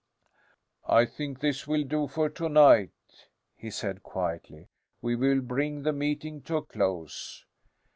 "I think this will do for to night," he said quietly. "We will bring the meeting to a close."